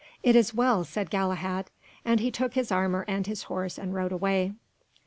"It is well," said Galahad, and he took his armour and his horse and rode away.